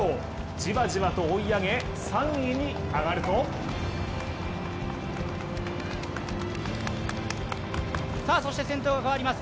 じわじわと追い上げ３位に上がるとそして先頭が変わります。